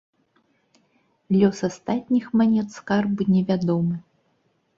Лёс астатніх манет скарбу невядомы.